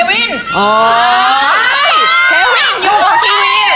เควินอยู่ของทีวี